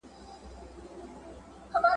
میلمه پالنه د افغانانو ځانګړتیا ده.